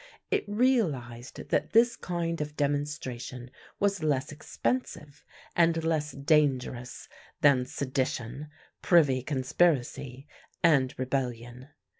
It realised that this kind of demon stration was less expensive and less dangerous than sedition, privy conspiracy, and rebellion.